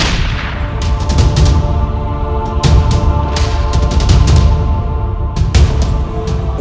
walaupun wujudnya bukan menyiapkan rasnya